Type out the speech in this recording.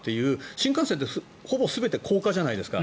新幹線ってほぼ全て高架じゃないですか。